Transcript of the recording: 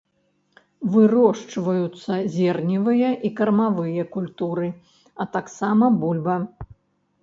Вырошчваюцца зерневыя і кармавыя культуры, а таксама бульба.